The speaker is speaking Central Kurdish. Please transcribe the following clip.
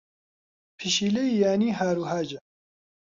پشیلەی یانی ھاروھاجە.